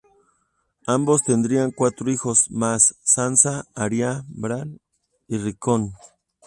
Ambos tendrían cuatro hijos más: Sansa, Arya, Bran y Rickon.